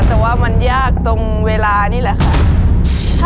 แต่ว่ามันยากตรงเวลานี่แหละค่ะ